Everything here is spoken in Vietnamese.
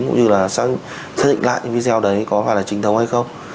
cũng như là xác định lại video đấy có phải là trình thống hay không